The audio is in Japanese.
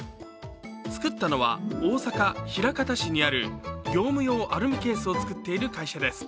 作ったのは、大阪・枚方市にある業務用アルミケースを作っている会社です。